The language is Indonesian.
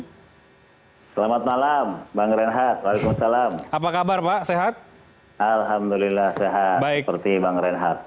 selamat malam bang renhat waalaikumsalam apa kabar pak sehat alhamdulillah sehat seperti bang reinhardt